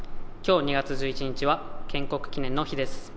今日２月１１日は建国記念の日です。